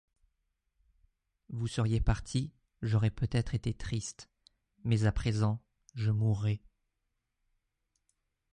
Vous seriez parti, j’aurais peut-être été triste, mais à présent je mourrai.